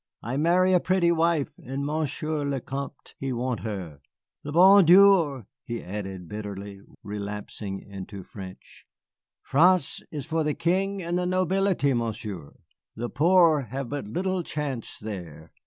I marry a pretty wife, and Monsieur le Comte he want her. L'bon Dieu," he added bitterly, relapsing into French. "France is for the King and the nobility, Monsieur. The poor have but little chance there.